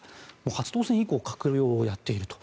初当選以降閣僚をやっていると。